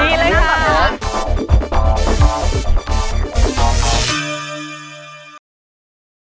มีเลยครับ